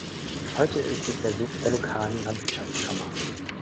Heute ist es der Sitz der lokalen Landwirtschaftskammer.